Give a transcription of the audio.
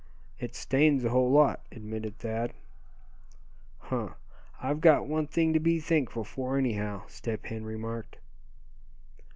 "It stains a whole lot," admitted Thad. "Huh! I've got one thing to be thankful for anyhow," Step Hen remarked.